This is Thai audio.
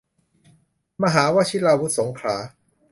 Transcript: มหาวชิราวุธสงขลา